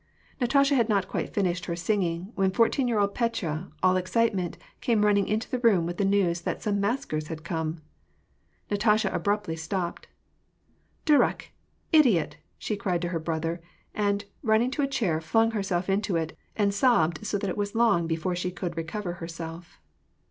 Natasha had not quite finished her singing, when fourteen year old Petya, all excitement, came running into the room with the news that some maskers had come. Natasha abruptly stopped. " Durak ! idiot !" she cried to her brother, and, running to a chair, flung herself into it, and sobbed so that it was long before she could recover herself.